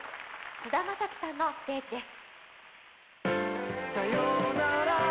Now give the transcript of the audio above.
菅田将暉さんのステージです。